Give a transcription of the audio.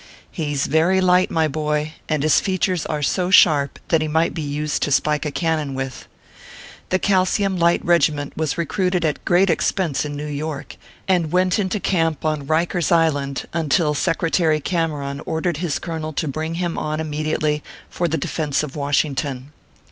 He s very light, my boy, and his features are so sharp that he might be used to spike a cannon with. The Calcium Light Kegiment was recruited at great expense in New York, and went into camp on Biker s Island, until Secretary Cameron ordered his colonel to bring him on immediately for the defence of Wash ington.